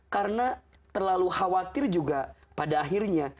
karena terlalu khawatir juga pada akhirnya